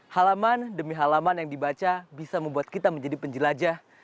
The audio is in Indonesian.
halaman demi halaman yang dibaca bisa membuat kita menjadi penjelajah